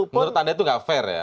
menurut anda itu nggak fair ya